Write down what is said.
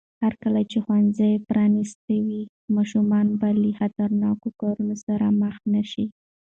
هرکله چې ښوونځي پرانیستي وي، ماشومان به له خطرناکو کارونو سره مخ نه شي.